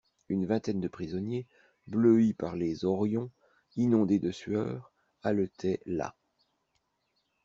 Une vingtaine de prisonniers, bleuis par les horions, inondés de sueur, haletaient là.